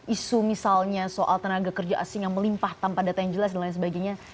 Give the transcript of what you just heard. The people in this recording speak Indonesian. isu misalnya soal tenaga kerja asing yang melimpah tanpa data yang jelas dan lain sebagainya